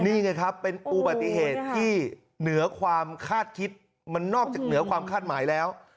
นี่ไงครับเป็นอุบัติเหตุที่เหนือความคาดคิดมันนอกจากเหนือความคาดหมายแล้ว